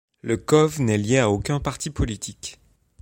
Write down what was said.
Le CoV n’est lié à aucun parti politique.